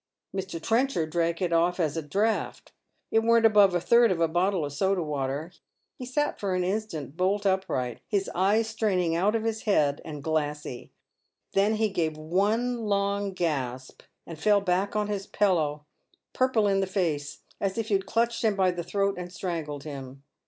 Mr. Trenchard drank it off at a draught. It weren't above a third of a bottle of soda water. He sat for an instant bolt upright, his eyes straining out of his head and glassy ; then he gave one long gasp, and fell back on his pillow pm ple in the face, as if you'd clutched him by the throat and strangled him.